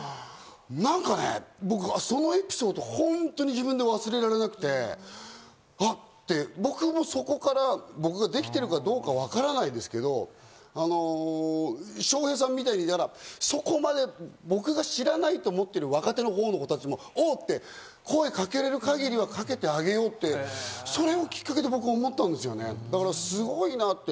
仕事や！って、しっかりツッコんでくれて、何かね、僕はそのエピソード、本当に自分で忘れられなくて、僕もそこから僕ができてるかわからないですけど、笑瓶さんみたいにそこまで僕が知らないと思っている若手の子たちも、お！って声かけられる限りはかけてあげようって、それをきっかけで、僕、思ったんですよね、